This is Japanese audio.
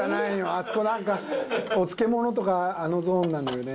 あそこなんかお漬物とかあのゾーンなのよね。